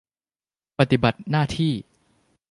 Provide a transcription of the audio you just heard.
ปฏิบัติหน้าที่